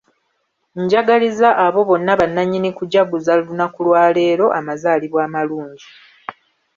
Njagaliza abo bonna bannanyini kujjaguza lunaku lwaleero amazaalibwa amalungi.